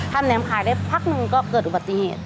แหลมขายได้พักหนึ่งก็เกิดอุบัติเหตุ